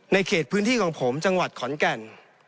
เขตพื้นที่ของผมจังหวัดขอนแก่น